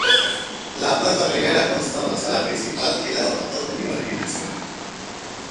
La planta primera consta de una sala principal y otras dos de menores dimensiones.